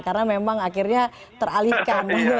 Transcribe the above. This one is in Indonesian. karena memang akhirnya teralihkan